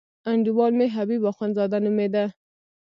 انډیوال مې حبیب اخندزاده نومېده.